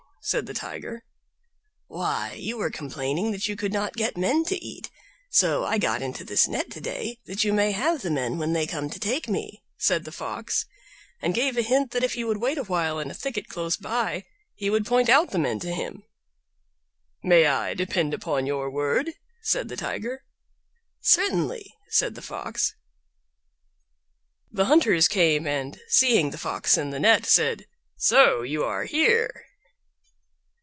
said the Tiger. "Why, you were complaining you could not get men to eat, so I got into this net to day, that you may have the men when they come to take me," said the Fox, and gave a hint that if he would wait a while in a thicket close by he would point out the men to him. "May I depend upon your word?" said the Tiger. "Certainly," said the Fox. The Hunters came, and seeing the Fox in the net, said, "So you are here!"